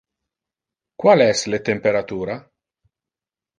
Qual es le temperatura?